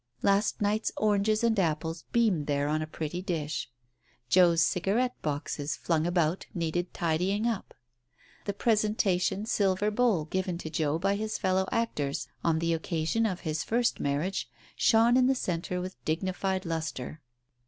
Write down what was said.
Last night's oranges and apples beamed there on a pretty dish. Joe's cigarette boxes, flung about, needed tidying up. The presentation silver bowl given to Joe by his fellow actors on the occa sion of his first marriage, shone in the centre with digni fied lustre.